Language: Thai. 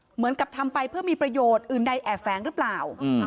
เหมือนกับทำไปเพื่อมีประโยชน์อื่นใดแอบแฝงหรือเปล่า